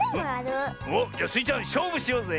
おっじゃスイちゃんしょうぶしようぜ。